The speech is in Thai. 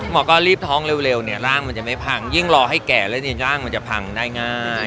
หมอก็รีบท้องเร็วเนี่ยร่างมันจะไม่พังยิ่งรอให้แก่แล้วในร่างมันจะพังได้ง่าย